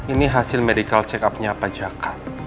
ini hasil medical check upnya pak jaka